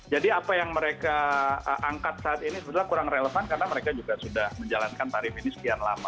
jadi apa yang mereka angkat saat ini sebenarnya kurang relevan karena mereka juga sudah menjalankan tarif ini sekian lama